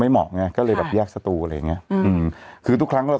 มีหลายเคสแต่ว่า